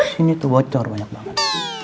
sini tuh bocor banyak banget